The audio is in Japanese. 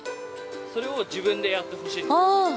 それを自分でやってほしいんです。